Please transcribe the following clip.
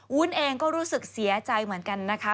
วุ้นเองก็รู้สึกเสียใจเหมือนกันนะคะ